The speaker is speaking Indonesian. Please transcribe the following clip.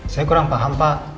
saya kurang paham pak